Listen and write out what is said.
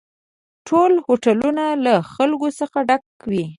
ټول هوټلونه له خلکو څخه ډک وي